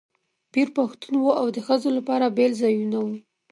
پیر پښتون و او د ښځو لپاره بېل ځایونه وو.